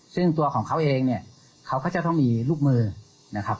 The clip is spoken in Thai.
ซึ่งตัวของเขาเองเนี่ยเขาก็จะต้องมีลูกมือนะครับ